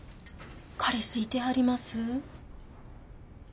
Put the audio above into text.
彼氏いてはります？